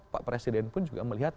pak presiden pun juga melihat